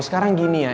sekarang gini ya